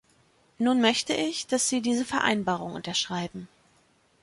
Nun möchte ich, dass Sie diese Vereinbarung unterschreiben.